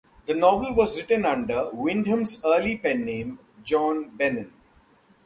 The novel was written under Wyndham's early pen name, John Beynon.